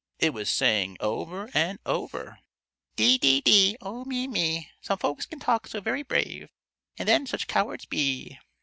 It was saying over and over: "Dee, dee, dee! Oh, me, me! Some folks can talk so very brave And then such cowards be."